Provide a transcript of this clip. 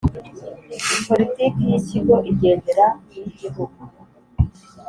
politiki y ‘ikigo ijyendera kuyigihugu.